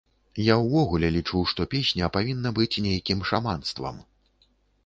Я ўвогуле лічу, што песня павінна быць нейкім шаманствам.